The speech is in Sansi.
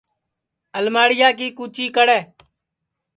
الماڑیا کی کُچی کڑے